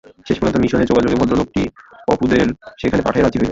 শেষ পর্যন্ত মিশনের যোগাযোগে ভদ্রলোকটি অপূদের সেখানে পাঠাইতে রাজি হইলেন।